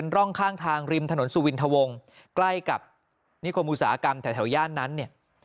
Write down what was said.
ร่องข้างทางริมถนนสุวินทวงใกล้กับนิคมอุตสาหกรรมแถวย่านนั้นเนี่ย